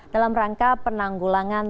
dalam rangka penanggulangan